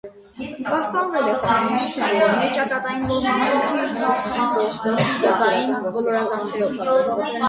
Պահպանվել է խորանի հյուսիսային կողմի ճակատային որմնամույթի իմպոստը՝ գծային ոլորազարդերով։